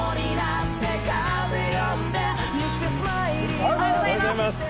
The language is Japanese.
おはようございます。